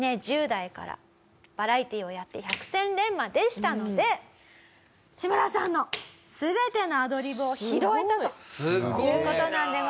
１０代からバラエティをやって百戦錬磨でしたので志村さんの全てのアドリブを拾えたという事なんでございます。